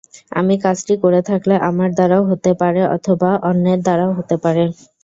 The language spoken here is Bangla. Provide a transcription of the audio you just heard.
আমি কাজটি করে থাকলে আমার দ্বারাও হতে পারে অথবা অন্যের দ্বারাও হতে পারে।